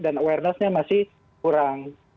dan awarenessnya masih kurang